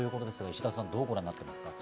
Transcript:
石田さん、どうご覧になりますか？